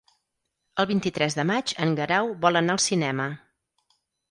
El vint-i-tres de maig en Guerau vol anar al cinema.